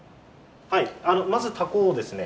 はいまずタコをですね